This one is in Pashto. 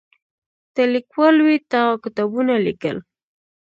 ته لیکوال وې تا کتابونه لیکل.